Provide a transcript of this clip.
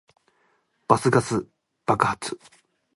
バスガス爆発